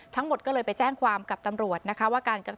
ทั้งหมดก็เลยไปแจ้งความกับตำรวจนะคะว่าการ